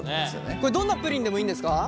これどんなプリンでもいいんですか？